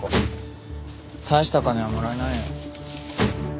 大した金はもらえないよ。